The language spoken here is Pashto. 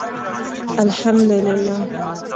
الحمدالله